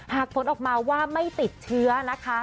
ผลออกมาว่าไม่ติดเชื้อนะคะ